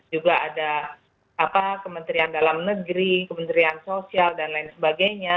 juga ada kementerian dalam negeri kementerian sosial dan lain sebagainya